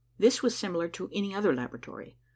This was similar to any other laboratory.